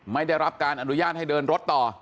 ไม่ได้รับการอนุญาตให้เดินรถต่อ